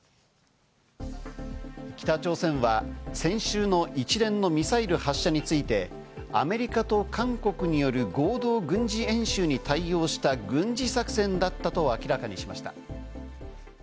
北朝鮮は先週の一連のミサイル発射についてアメリカと韓国による合同軍事演習に対応した軍事作戦だったと明らかにしました。